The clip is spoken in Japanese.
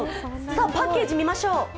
パッケージを見ましょう。